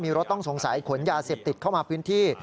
มีรถต้องสงสัยขนยาเสพติดเข้ามาพื้นที่